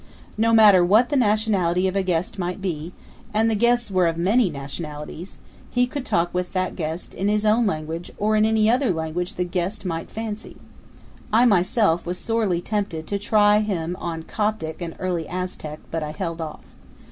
No matter what the nationality of a guest might be and the guests were of many nationalities he could talk with that guest in his own language or in any other language the guest might fancy. I myself was sorely tempted to try him on Coptic and early Aztec; but I held off.